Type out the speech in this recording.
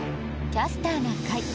「キャスターな会」。